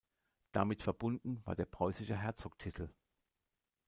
Damit verbunden war der preußische Herzogstitel.